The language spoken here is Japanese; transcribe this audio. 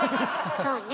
そうね。